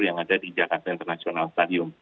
yang ada di jakarta international stadium